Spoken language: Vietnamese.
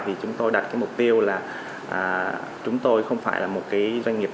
thì chúng tôi đặt mục tiêu là chúng tôi không phải là một doanh nghiệp